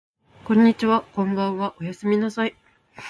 こんにちはこんばんはおやすみなさい